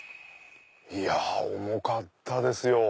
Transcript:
いや重かったですよ。